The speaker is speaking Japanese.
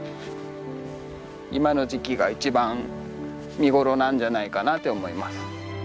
今の時期が一番見頃なんじゃないかなって思います。